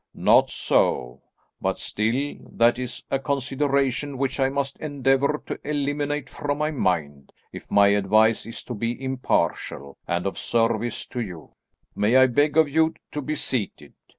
"Not so, but still that is a consideration which I must endeavour to eliminate from my mind, if my advice is to be impartial, and of service to you. May I beg of you to be seated?